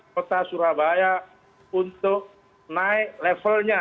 kota surabaya untuk naik levelnya